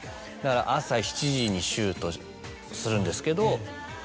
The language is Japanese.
だから朝７時にシュートするんですけど。